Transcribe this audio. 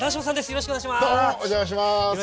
よろしくお願いします。